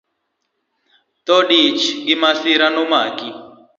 Thoo dich gi masira momaki